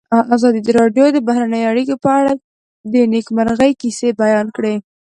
ازادي راډیو د بهرنۍ اړیکې په اړه د نېکمرغۍ کیسې بیان کړې.